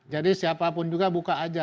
jadi siapapun juga buka aja